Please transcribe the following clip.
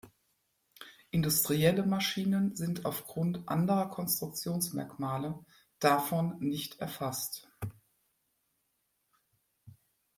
Industrielle Maschinen sind aufgrund anderer Konstruktionsmerkmale davon nicht erfasst.